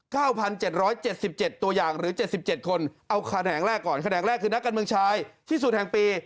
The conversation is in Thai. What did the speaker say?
แขนแห่งแรกคือนักกันเมืองชายที่สุดแห่งปี